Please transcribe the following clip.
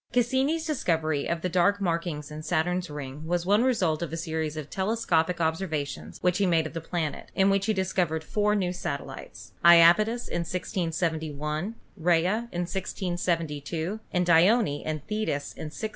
Cassini's discovery of the dark markings in Saturn's ring was one result of a series of telescopic observations which he made of the planet, in which he discovered four new satellites — Japetus in 1671, Rhea in 1672, and Dione and Thetis in 1684.